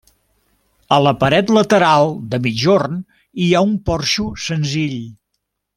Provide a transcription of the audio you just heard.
A la paret lateral de migjorn hi ha un porxo senzill.